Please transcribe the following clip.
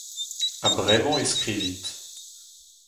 Ha bremañ e skrivit.